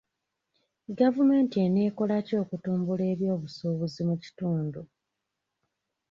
Gavumenti enaakola ki okutumbula ebyobusuubuzi mu kitundu?